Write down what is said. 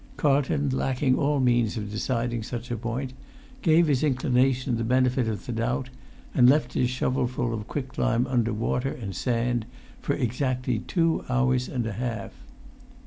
Carlton, lacking all means of deciding such a point, gave his inclination the benefit of the doubt, and left his shovelful of quicklime under water and sand for exactly two hours and a half.